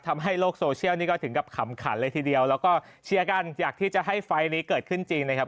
ทำให้โลกโซเชียลนี่ก็ถึงกับขำขันเลยทีเดียวแล้วก็เชียร์กันอยากที่จะให้ไฟล์นี้เกิดขึ้นจริงนะครับ